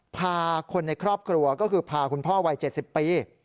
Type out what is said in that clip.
พาคนในครอบครัวก็คือพาคุณพ่อวัย๗๐ปี